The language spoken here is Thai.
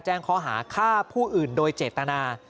แจ้งข้อหาฆ่าผู้อื่นโดยเจตนา